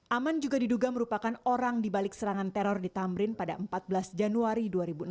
aman juga diduga merupakan orang di balik serangan teror di tamrin pada empat belas januari dua ribu enam belas